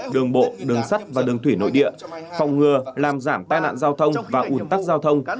đường bộ đường sắt và đường thủy nội địa phòng ngừa làm giảm tai nạn giao thông và ủn tắc giao thông